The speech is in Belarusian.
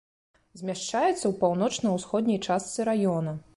Змяшчаецца ў паўночна-ўсходняй частцы раёна.